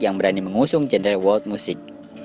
yang berani mengusung genre world music